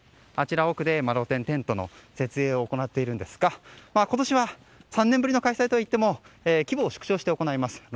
あちら奥で露店、テントの設営を行っているんですが今年は３年ぶりの開催といっても規模を縮小して行います。